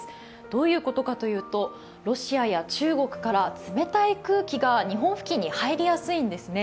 どういうことかというとロシアや中国から冷たい空気が日本付近に入りやすいんですね。